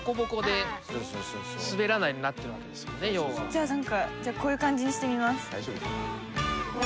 じゃあ何かこういう感じにしてみます。